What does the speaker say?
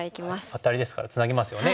アタリですからツナぎますよね。